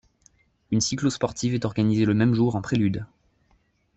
Une cyclosportive est organisée le même jour en prélude.